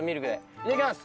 いただきます！